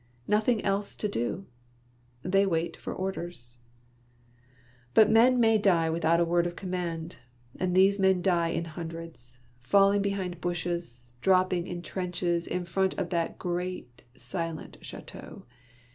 Nothing else to do. They wait for orders. But men may A Game of Billiards, 15 die without word of command, and these men die in hundreds, falling behind bushes, dropping in trenches in front of that great silent chateau.